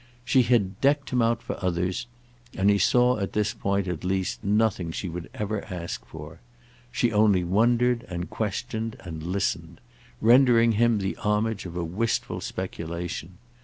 She had decked him out for others, and he saw at this point at least nothing she would ever ask for. She only wondered and questioned and listened, rendering him the homage of a wistful speculation.